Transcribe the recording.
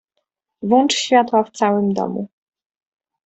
Włącz światła w całym domu.